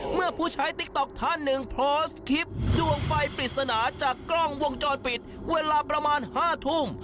เมื่อผู้ใช้ติ๊กต๊อกท่านหนึ่งโพสต์คลิปดวงไฟปริศนาจากกล้องวงจรปิดเวลาประมาณ๕ทุ่ม